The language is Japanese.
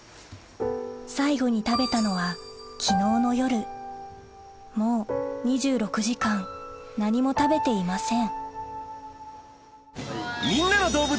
最後に食べたのは昨日の夜もう２６時間何も食べていません